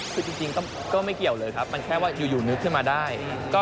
คือจริงก็ไม่เกี่ยวเลยครับมันแค่ว่าอยู่นึกขึ้นมาได้